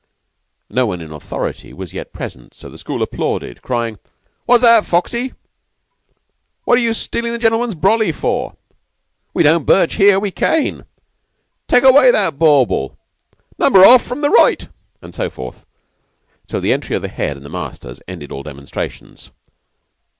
No one in authority was yet present, so the school applauded, crying: "What's that, Foxy? What are you stealin' the gentleman's brolly for? We don't birch here. We cane! Take away that bauble! Number off from the right" and so forth, till the entry of the Head and the masters ended all demonstrations.